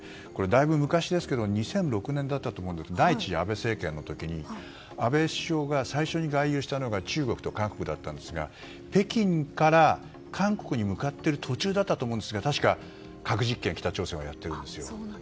だいぶ昔ですけども２００６年の第１次安倍政権の時に安倍首相が最初に外遊したのが中国と韓国だったんですが北京から韓国に向かっている途中だったと思うんですが確か、核実験を北朝鮮はやっているんですよ。